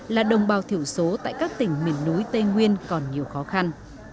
là đồng bào thiểu số tại các tỉnh miền núi tây nguyên còn nhiều khó khăn